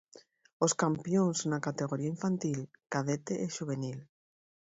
Os campións na categoría infantil, cadete e xuvenil.